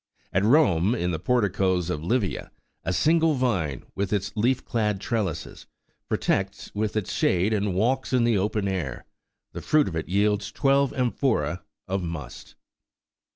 At Eome, in the porticoes of Livia, a single vine, with its leaf clad trellises, protects with its shade the walks in the open air ; the fruit of it yields twelve amphorae of must.